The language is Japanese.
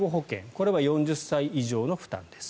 これは４０歳以上の負担です。